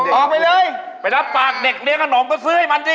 ออกไปเลยไปรับปากเด็กเลี้ยงขนมก็ซื้อให้มันสิ